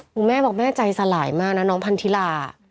คุณแม่บอกแม่ใจสลายมากนะน้องพันธิลา